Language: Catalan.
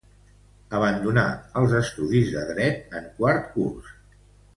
Abandonà els estudis de Dret en quart curs.